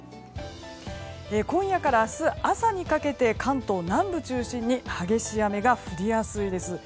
今夜から明日朝にかけて関東南部中心に激しい雨が降りやすいです。